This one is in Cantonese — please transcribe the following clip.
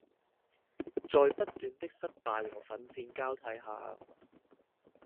在不斷的失敗和奮戰交替下